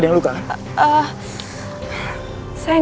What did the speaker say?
kalian punya kebijaksanaan